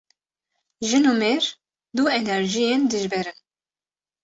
Jin û mêr, du enerjiyên dijber in